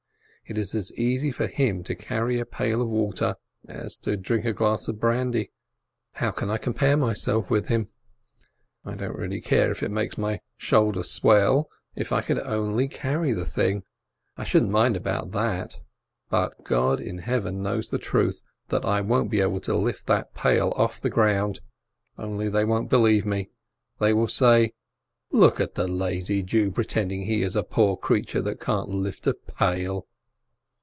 It is as easy for him to carry a pail of water as to drink a glass of brandy. How can I compare myself with him? I don't care if it makes my shoulder swell, if I could only carry the thing. I shouldn't mind about that. But God in Heaven knows the truth, that I won't be able to lift the pail off the ground, only they won't be lieve me, they will say: MILITARY SERVICE 283 "Look at the lazy Jew, pretending he is a poor creature that can't lift a pail